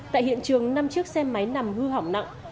tại hiện trường năm chiếc xe máy nằm hư hỏng nặng